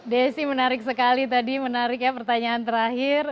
desi menarik sekali tadi menarik ya pertanyaan terakhir